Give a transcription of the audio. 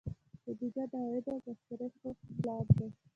بودجه د عوایدو او مصارفو پلان دی